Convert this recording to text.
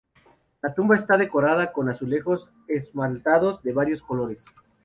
La tumba está decorada con azulejos esmaltados de varios colores.